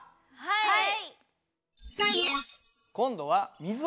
はい！